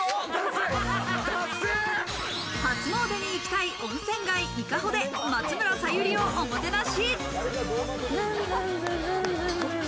初詣に行きたい温泉街・伊香保で松村沙友理をおもてなし。